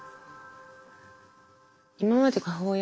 今まで母親